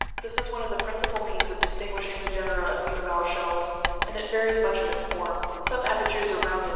This is one of the principal means of distinguishing the genera of univalve shells, and it varies much in its form; some apertures are rounded ( figs.